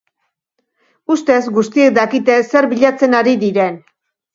Ustez guztiek dakite zer bilatzen ari diren.